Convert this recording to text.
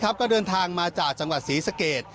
ก็เดินทางมาจากจังหวัดศรีสเกต